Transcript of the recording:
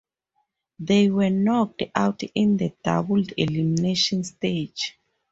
They were knocked out in the double elimination stage.